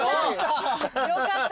よかった